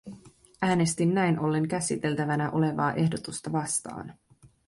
Äänestin näin ollen käsiteltävänä olevaa ehdotusta vastaan.